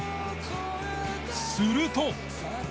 すると。